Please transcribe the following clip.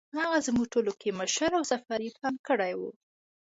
هغه زموږ ټولو کې مشر او سفر یې پلان کړی و.